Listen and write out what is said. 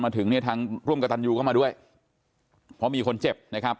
ถึงเนี่ยทางร่วมกับตันยูก็มาด้วยเพราะมีคนเจ็บนะครับ